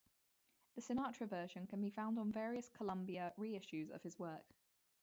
The Sinatra version can be found on various Columbia re-issues of his work.